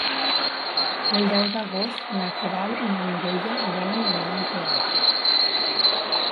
El deu d'agost na Queralt i na Mireia volen anar al teatre.